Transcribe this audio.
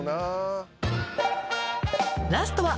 ラストは。